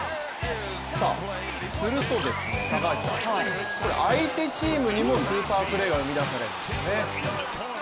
すると、相手チームにもスーパープレーが生み出されました。